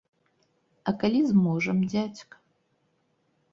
А калі зможам, дзядзька?